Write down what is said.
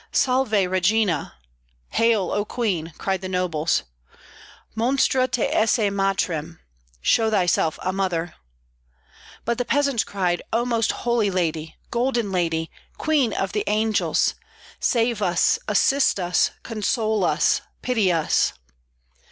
"Salve, Regina!" (Hail, O Queen!) cried the nobles, "Monstra te esse matrem!" (Show thyself a mother); but the peasants cried, "O Most Holy Lady! Golden Lady! Queen of the Angels! save us, assist us, console us, pity us!"